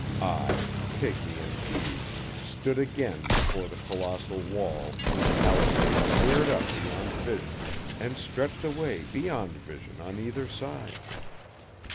I, pygmy indeed, stood again before the colossal wall whose palisades reared up beyond vision and stretched away beyond vision on either side.